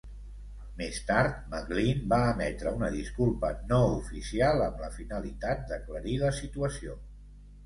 Més tard, MacLean va emetre una disculpa no oficial amb la finalitat d'aclarir la situació.